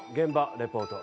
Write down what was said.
リポート